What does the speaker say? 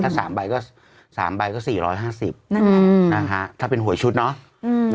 ถ้าสามใบก็สามใบก็สี่ร้อยห้าสิบนะครับนะฮะถ้าเป็นหวยชุดเนอะอืม